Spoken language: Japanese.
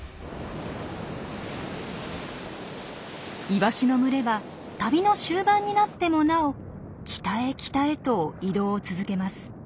イワシの群れは旅の終盤になってもなお北へ北へと移動を続けます。